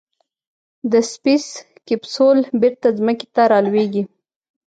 د سپېس کیپسول بېرته ځمکې ته رالوېږي.